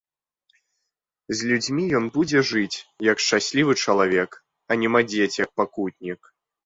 З людзьмі ён будзе жыць, як шчаслівы чалавек, а не мадзець, як пакутнік.